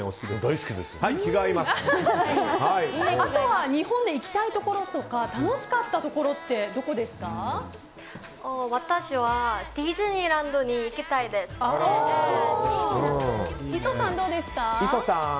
あとは日本で行きたいところや楽しかったところは私はディズニーランドにイソさん、どうですか？